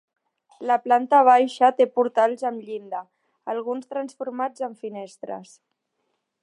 La planta baixa té portals amb llinda, alguns transformats en finestres.